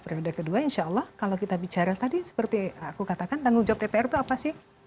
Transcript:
periode kedua insya allah kalau kita bicara tadi seperti aku katakan tanggung jawab dpr itu apa sih